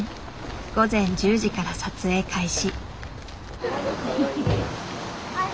午前１０時から撮影開始。